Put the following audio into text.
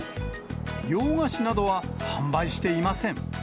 洋菓子などは販売していません。